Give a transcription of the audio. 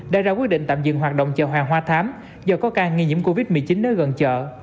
đã ra quyết định tạm dừng hoạt động chợ hoàng hoa thám do có ca nghi nhiễm covid một mươi chín nếu gần chợ